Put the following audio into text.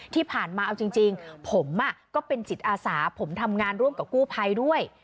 ที่ผ่านมาเอาจริงผมก็เป็นจิตอาสาผมทำงานร่วมกับกู้ภัยด้วย